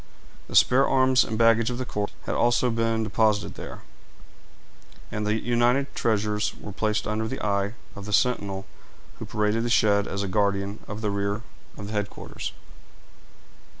The spare arms and baggage of the corps had also been deposited here; and the united treasures were placed under the eye of the sentinel who paraded the shed as a guardian of the rear of the headquarters.